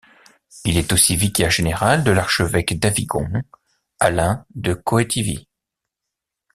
Il est aussi vicaire général de l'archevêque d'Avigon, Alain de Coëtivy.